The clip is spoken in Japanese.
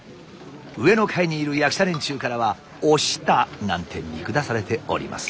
上の階にいる役者連中からはお下なんて見下されております。